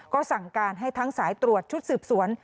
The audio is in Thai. ก็สั่งการให้ทั้งสายตรวจชุดสืบสวน